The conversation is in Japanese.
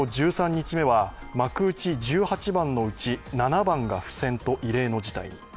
１３日目は幕内１８番のうち、７番が不戦と異例の事態に。